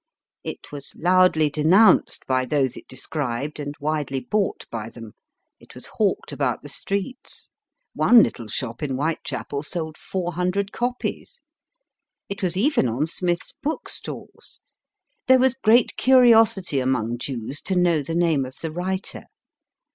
It was loudly denounced by those it described, and widely bought by them ; it was hawked about the streets. One little shop in Whitechapel sold 400 copies. It was even on Smith s bookstalls. There was great curiosity among Jews to know the name of the writer.